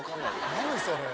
何それ。